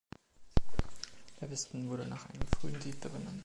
Lewiston wurde nach einem frühen Siedler benannt.